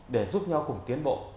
để giúp nhau cùng tiến bộ